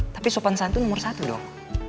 tapi sopan santun nomor satu dong